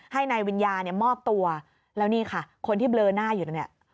ให้นายวิญญาเนี่ยมอบตัวแล้วนี่ค่ะคนที่เบลอหน้าอยู่เนี่ย